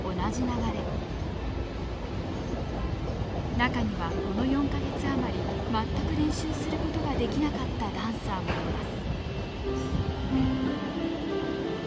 中にはこの４か月余り全く練習することができなかったダンサーもいます。